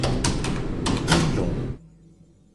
E lo.